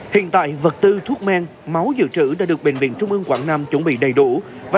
hiện tại vật tư thuốc men máu dự trữ đã được bệnh viện trung ương quảng nam chuẩn bị đầy đủ và